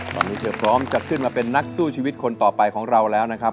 ตอนนี้เธอพร้อมจะขึ้นมาเป็นนักสู้ชีวิตคนต่อไปของเราแล้วนะครับ